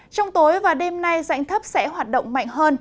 trong tối và đêm nay dạnh thấp sẽ hoạt động mạnh hơn